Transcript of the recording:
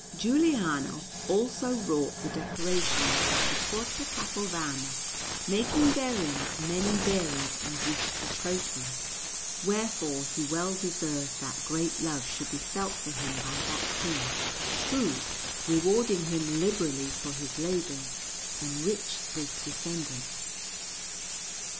Giuliano also wrought the decorations of the Porta Capovana, making therein many varied and beautiful trophies; wherefore he well deserved that great love should be felt for him by that King, who, rewarding him liberally for his labours, enriched his descendants.